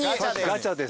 ガチャです。